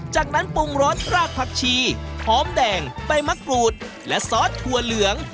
จากนั้นปรุงรสรากผักชีหอมแดงใบมะกรูดและซอสถั่วเหลือง